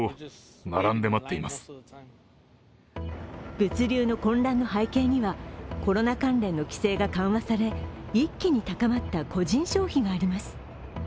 物流の混乱の背景にはコロナ関連の規制が緩和され、一気に高まった個人消費があります。